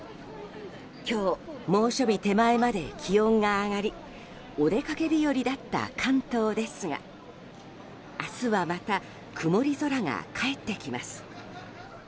今日、猛暑日手前まで気温が上がりお出かけ日和だった関東ですが明日はまた、曇り空が帰ってきます。